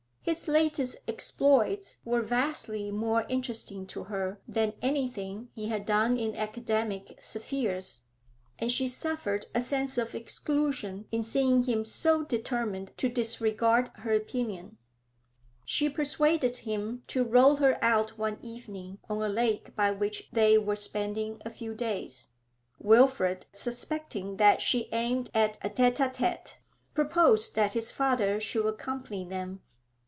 His latest exploits were vastly more interesting to her than anything he had done in academic spheres, and she suffered a sense of exclusion in seeing him so determined to disregard her opinion. She persuaded him to row her cut one evening on a lake by which they were spending a few days. Wilfrid, suspecting that she aimed at a tete a tete, proposed that his father should accompany them.